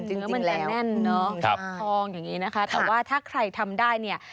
เนื้อมันจะแน่นเนอะทองอย่างนี้นะคะแต่ว่าถ้าใครทำได้เนี่ย